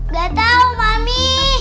gak tau mami